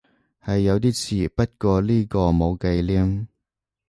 係有啲似，不過呢個冇忌廉